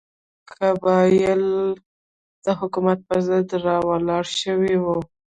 قبایل د حکومت پر ضد راولاړ شوي وو.